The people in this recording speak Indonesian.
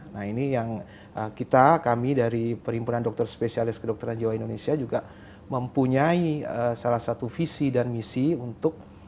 nah ini yang kita kami dari perhimpunan dokter spesialis kedokteran jiwa indonesia juga mempunyai salah satu visi dan misi untuk